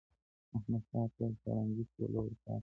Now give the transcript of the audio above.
محمدشاه ته سارنګۍ سوله ورپاته